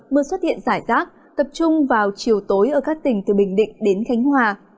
mưa xuất hiện rải rác tập trung vào chiều tối ở các tỉnh từ bình định đến khánh hòa